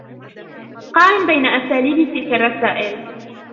قارن بين أساليب تلك الرسائل.